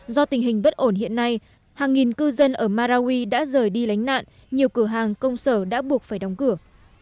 do tình hình bất ổn hiện nay hàng nghìn cư dân ở marawi đã rời đi lánh nạn nhiều cửa hàng công sở đã buộc phải đóng cửa